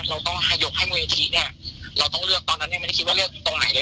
เราต้องยกให้มูลนิธิเนี่ยเราต้องเลือกตอนนั้นยังไม่ได้คิดว่าเลือกตรงไหนเลย